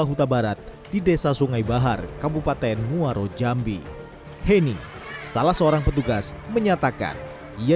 huta barat di desa sungai bahar kabupaten muaro jambi heni salah seorang petugas menyatakan ia